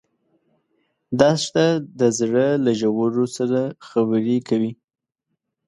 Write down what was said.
دښته د زړه له ژورو سره خبرې کوي.